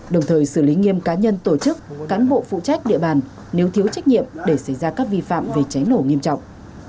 đồng thời xử lý nghiêm cá nhân tổ chức cán bộ phụ trách địa bàn nếu thiếu trách nhiệm để xảy ra các vi phạm về cháy nổ nghiêm trọng